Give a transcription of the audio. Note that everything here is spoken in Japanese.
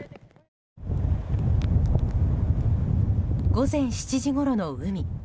午前７時ごろの海。